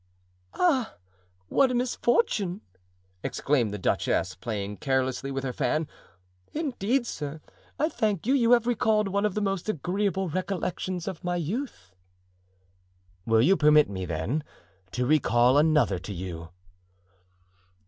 "Ah, what a misfortune!" exclaimed the duchess, playing carelessly with her fan. "Indeed, sir, I thank you; you have recalled one of the most agreeable recollections of my youth." "Will you permit me, then, to recall another to you?"